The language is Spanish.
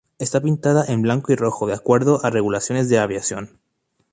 Está pintada en blanco y rojo de acuerdo a regulaciones de aviación.